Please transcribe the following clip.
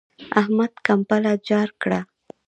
احمد کمبله جار کړه.